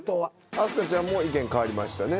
明日香ちゃんも意見変わりましたね。